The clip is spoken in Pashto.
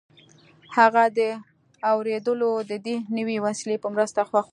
هغه د اورېدلو د دې نوې وسیلې په مرسته خوښ و